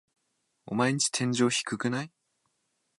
オマエんち天井低くない？